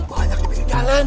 banyak dibeli jalan